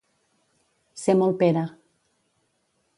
Ser molt Pere.